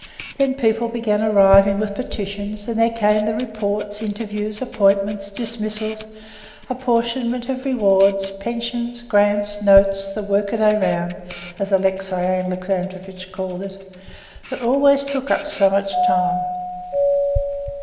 Then people began arriving with petitions, and there came the reports, interviews, appointments, dismissals, apportionment of rewards, pensions, grants, notes, the workaday round, as Alexey Alexandrovitch called it, that always took up so much time.